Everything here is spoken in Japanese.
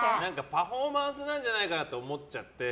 パフォーマンスなんじゃないかなと思っちゃって。